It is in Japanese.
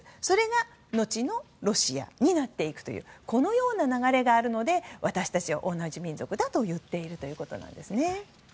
それが後のロシアになっていくというこのような流れがあるので私たちは同じ民族だと言っているということです。